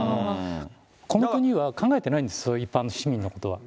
この国は考えてないんです、一般市民のことは。